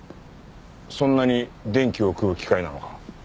そんなに電気を食う機械なのか。